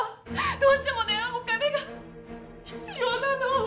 どうしてもねお金が必要なの！